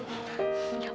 aku mau kembali